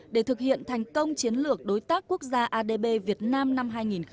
để thực hiện thành công chiến lược đối tác quốc gia adb việt nam năm hai nghìn một mươi sáu hai nghìn hai mươi